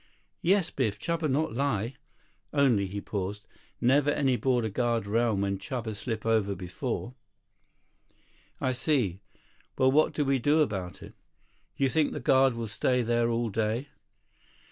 "Yes, Biff. Chuba not lie. Only," he paused, "never any border guard around when Chuba slip over before." "I see. Well, what do we do about it? You think the guard will stay there all day?"